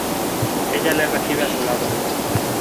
Ella le recibe a su lado.